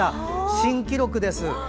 新記録です！